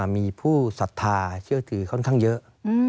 มีผู้ศรัทธาเชื่อถือค่อนข้างเยอะ